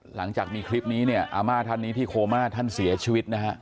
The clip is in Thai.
หลังจากมีคลิปนี้เนี่ยอาม่าท่านนี้ที่โคม่าท่านเสียชีวิตนะฮะ